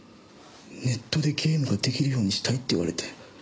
ネットでゲームが出来るようにしたいって言われて。